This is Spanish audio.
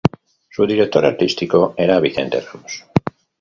Su director artístico era Vicente Ramos.